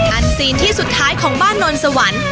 อันซีนที่สุดท้ายของบ้านนนสวรรค์